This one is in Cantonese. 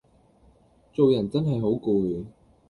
做人真係好攰